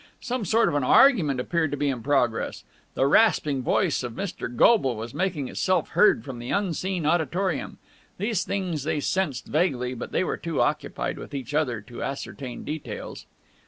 Some sort of an argument appeared to be in progress. The rasping voice of Mr. Goble was making itself heard from the unseen auditorium. These things they sensed vaguely, but they were too occupied with each other to ascertain details.